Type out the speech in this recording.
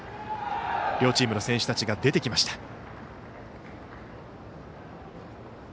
両チームの選手たちが出てきました。